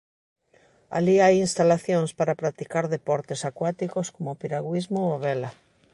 Alí hai instalacións para practicar deportes acuáticos como o piragüismo ou a vela.